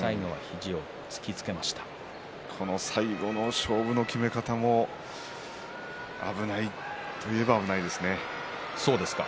最後、勝負の決め方危ないといえば危ないですね。